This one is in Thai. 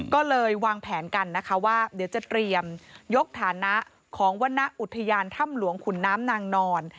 ก็เลยวางแผนกันนะคะว่าเดี๋ยวจะเตรียมยกฐานะของวรรณอุทยานถ้ำหลวงขุนน้ำนางนอน